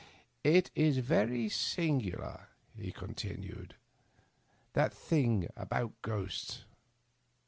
"It is very singular," he continued, "that thing about ghosts.